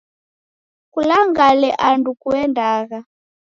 Kulangale andu kuendagha.